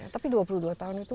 tapi dua puluh dua tahun itu